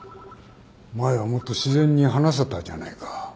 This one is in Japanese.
前はもっと自然に話せたじゃないか。